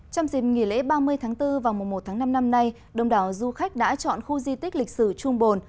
trong dịp nghỉ lễ ba mươi tháng bốn vào mùa một tháng năm năm nay đông đảo du khách đã chọn khu di tích lịch sử trung bồn